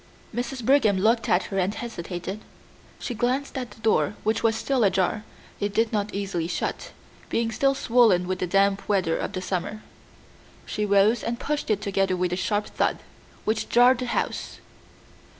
Mrs. Brigham looked at her and hesitated. She glanced at the door, which was still ajar; it did not easily shut, being still swollen with the damp weather of the summer. She rose and pushed it together with a sharp thud, which jarred the house.